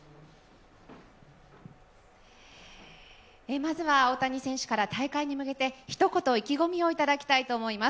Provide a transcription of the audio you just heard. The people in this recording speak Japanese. まずは大谷選手から大会に向けて、ひと言、意気込みをいただきたいと思います。